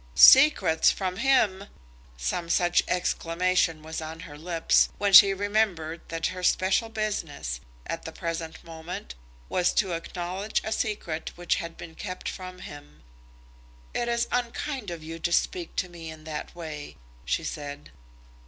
Secrets from him! Some such exclamation was on her lips, when she remembered that her special business, at the present moment, was to acknowledge a secret which had been kept from him. "It is unkind of you to speak to me in that way," she said.